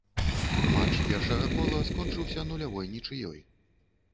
Матч першага кола скончыўся нулявой нічыёй.